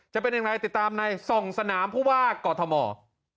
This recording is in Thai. จะเป็นอย่างไรติดตามใน๒สนามผู้ว่ากอทม